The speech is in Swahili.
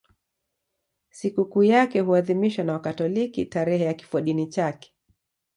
Sikukuu yake huadhimishwa na Wakatoliki tarehe ya kifodini chake.